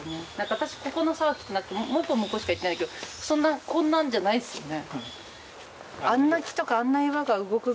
私ここの沢来てなくてもう一本向こうしか行ってないけどこんなんじゃないっすよね。